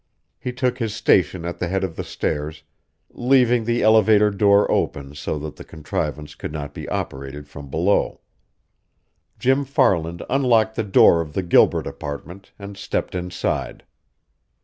He took his station at the head of the stairs, leaving the elevator door open so that the contrivance could not be operated from below. Jim Farland unlocked the door of the Gilbert apartment and stepped inside.